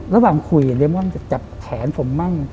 ระหว่างคุยเรมอนจะจับแขนผมมั่ง